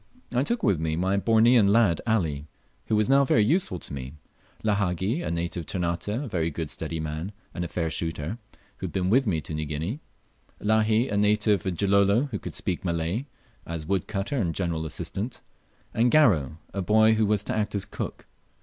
I took with me my Bornean lad Ali, who was now very useful to me; Lahagi, a native of Ternate, a very good steady man, and a fair shooter, who had been with me to New Guinea; Lahi, a native of Gilolo, who could speak Malay, as woodcutter and general assistant; and Garo, a boy who was to act as cook.